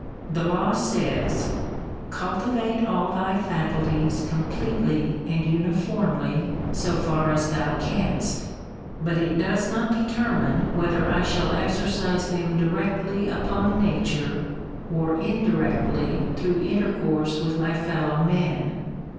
The law says, —" Cultivate all thy faculties completely and uniformly, so far as thou canst;" — but it does not determine whether I shall exercise them directly upon Nature, or indirectly through intercourse with my fellow men.